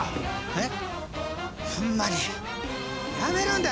えっ？